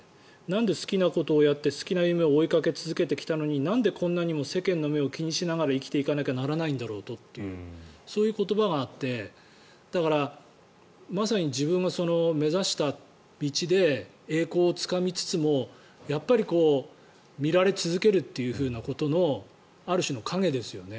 なんで好きなことをやって好きな夢を追いかけ続けたのになんで、こんなにも世間の目を気にしながら生きていかなきゃならないんだろうとそういう言葉があってだからまさに自分が目指した道で栄光をつかみつつも、やっぱり見られ続けるということのある種の影ですよね。